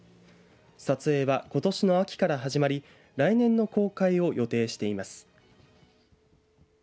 撮影は、ことしの秋から始まり来年の公開を予定しています。